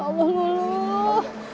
ya allah luluh